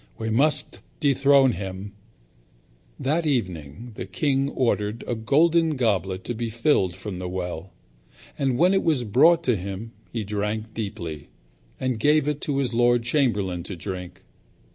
We must dethrone him." That evening the king ordered a golden goblet to be filled from the well. And when it was brought to him he drank deeply, and gave it to his lord chamberlain to drink.